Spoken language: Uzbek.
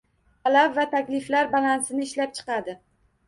Talab va takliflar balansini ishlab chiqadi.